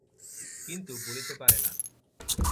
কিন্তু বলিতে পারে না।